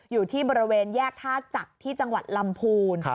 อยู่ที่บริเวณแยกท่าจักรที่จังหวัดลำพูน